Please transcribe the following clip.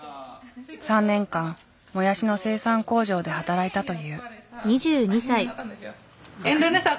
３年間もやしの生産工場で働いたという。